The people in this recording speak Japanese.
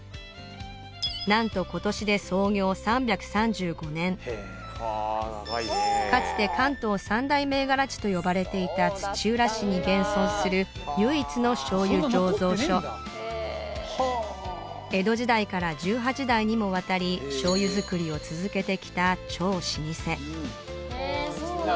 なんと今年で創業３３５年かつて関東三大銘柄地と呼ばれていた土浦市に現存する唯一の醤油醸造所江戸時代から１８代にもわたり醤油造りを続けてきた超老舗